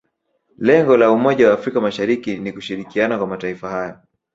lengo la umoja wa afrika mashariki ni kushirikiana kwa mataifa hayo